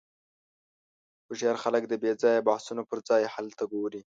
هوښیار خلک د بېځایه بحثونو پر ځای حل ته ګوري.